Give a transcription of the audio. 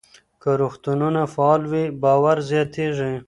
که روغتونونه فعال وي، باور زیاتېږي.